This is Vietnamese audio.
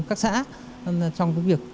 các xã trong việc